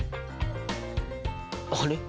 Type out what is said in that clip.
あれ？